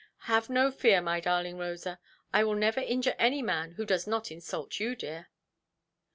"Have no fear, my darling Rosa. I will never injure any man who does not insult you, dear".